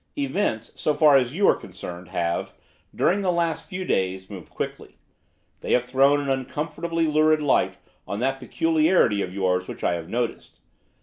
Events, so far as you are concerned, have, during the last few days moved quickly. They have thrown an uncomfortably lurid light on that peculiarity of yours which I have noticed.